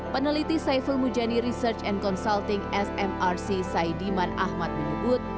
peneliti saiful mujani research and consulting smrc saidiman ahmad menyebut